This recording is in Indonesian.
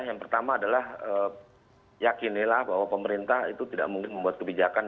yang pertama adalah yakinilah bahwa pemerintah itu tidak mungkin membuat kebijakan